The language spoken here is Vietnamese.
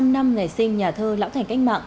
một trăm linh năm ngày sinh nhà thơ lão thành cách mạng